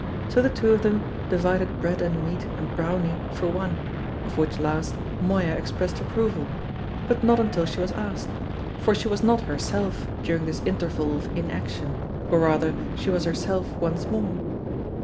So the two of them divided bread and meat and "browny" for one, of which last Moya expressed approval; but not until she was asked; for she was not herself during this interval of inaction, or rather she was herself once more.